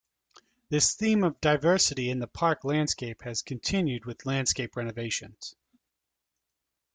This theme of diversity in the park landscape has continued with landscape renovations.